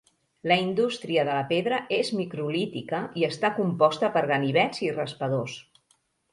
La indústria de la pedra és microlítica i està composta per ganivets i raspadors.